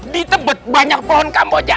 di tebet banyak pohon kamboja